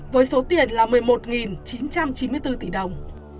với số tiền là một mươi một chín trăm chín mươi bốn tỷ đồng